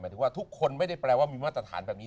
ถึงว่าทุกคนไม่ได้แปลว่ามีมาตรฐานแบบนี้